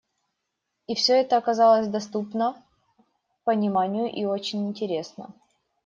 И всё это оказалось доступно пониманию и очень интересно.